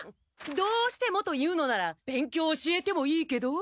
どうしてもと言うのなら勉強を教えてもいいけど。